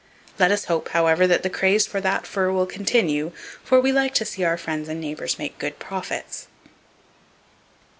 Let us hope, however, that the craze for that fur will continue; for we like to see our friends and neighbors make good profits.